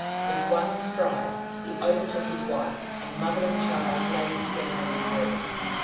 With one stride he overtook his wife, and mother and child lay together on the floor.